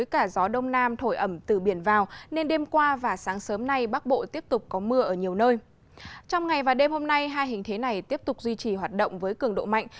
trong ngày và đêm hôm nay hai hình thế này tiếp tục duy trì hoạt động với cường độ mạnh